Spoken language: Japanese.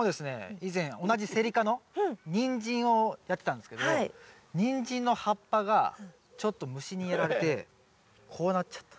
以前同じセリ科のニンジンをやってたんですけどニンジンの葉っぱがちょっと虫にやられてこうなっちゃった。